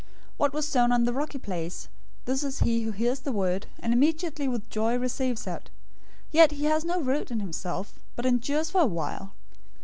013:020 What was sown on the rocky places, this is he who hears the word, and immediately with joy receives it; 013:021 yet he has no root in himself, but endures for a while.